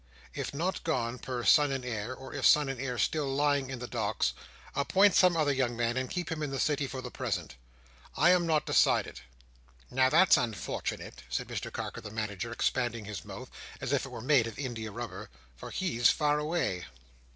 If not gone per Son and Heir, or if Son and Heir still lying in the Docks, appoint some other young man and keep him in the City for the present. I am not decided." "Now that's unfortunate!" said Mr Carker the Manager, expanding his mouth, as if it were made of India rubber: "for he's far away."